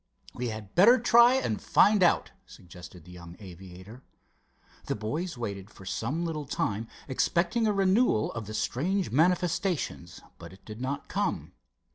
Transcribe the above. "We had better try and find out," suggested the young aviator. The boys waited for some little time, expecting a renewal of the strange manifestations, but it did not come.